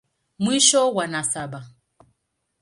Mwisho wa nasaba.